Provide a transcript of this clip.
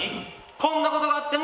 こんなことがあっても！